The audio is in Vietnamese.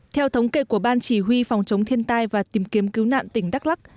theo thống kê của ban chỉ huy phòng chống thiên tai và tìm kiếm cứu nạn tỉnh đắk lắc